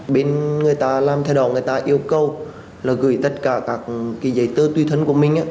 bên người ta làm thay đổi người ta yêu cầu là gửi tất cả các giấy tư tuy thân của mình